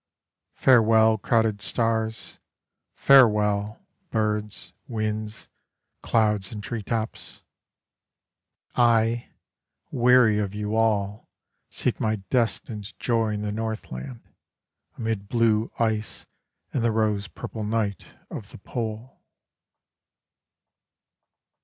Farewell, crowded stars, Farewell, birds, winds, clouds and tree tops, I, weary of you all, seek my destined joy in the north land, Amid blue ice and the rose purple night of the pole.